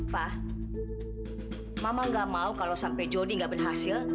pak mama nggak mau kalau sampai jodoh nggak berhasil